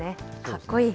かっこいい。